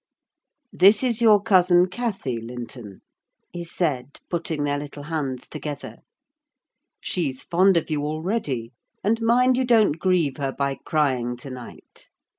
"This is your cousin Cathy, Linton," he said, putting their little hands together. "She's fond of you already; and mind you don't grieve her by crying to night.